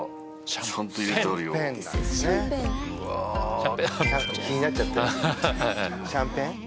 これは気になっちゃってるシャンペン？